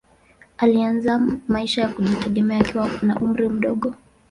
Alianza maisha ya kujitegemea akiwa na umri mdogo.